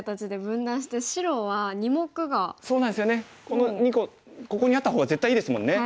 この２個ここにあった方が絶対いいですもんね。